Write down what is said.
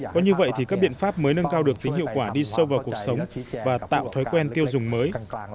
có như vậy thì các biện pháp mới nâng cao được tính hiệu quả đi sâu vào cuộc sống và tạo thói quen tiêu dùng mới